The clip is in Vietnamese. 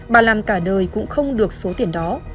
bà làm cả đời cũng không được số tiền đó